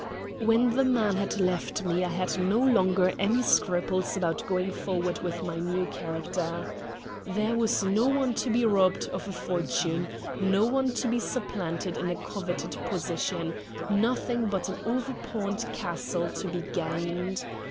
When the man had left me I had no longer any scruples about going forward with my new character. There was no one to be robbed of a fortune, no one to be supplanted in a coveted position nothing but an overpawned castle to be gained.